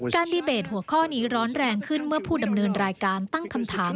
ดีเบตหัวข้อนี้ร้อนแรงขึ้นเมื่อผู้ดำเนินรายการตั้งคำถาม